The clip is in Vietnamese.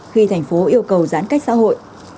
khi thành phố yêu cầu giãn cách xã hội